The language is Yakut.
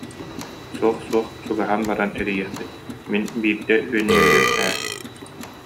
Суох, суох, чугаһаан баран эрийиэхпит, мин биирдэ үөннүрүүм ээ